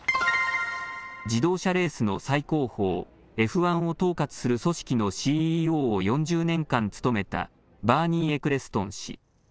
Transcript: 自動車レースの最高峰Ｆ１を統括する組織のＣＥＯを４０年間務めたバーニー・エクレストン氏。